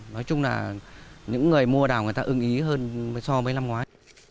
nói chung là những người mua đào người ta ưng ý hơn so với năm ngoái